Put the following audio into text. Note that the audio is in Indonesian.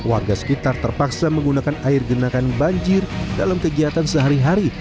warga sekitar terpaksa menggunakan air genakan banjir dalam kegiatan sehari hari